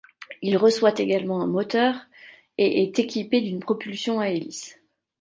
Il reçoit également un moteur et est équipé d'une propulsion à hélice.